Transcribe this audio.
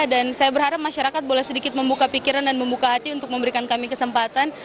dan saya berharap masyarakat boleh sedikit membuka pikiran dan membuka hati untuk memberikan kami kesempatan